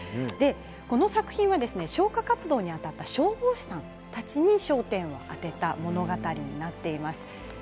この作品は消火活動にあたった消防士さんたちに焦点を当てた物語になっています。